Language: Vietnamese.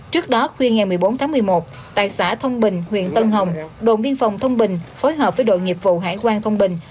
trước đó khuya ngày một mươi bốn tháng một mươi một tại xã thông bình huyện tân hồng đồn biên phòng thông bình phối hợp với đội nghiệp vụ hải quan thông bình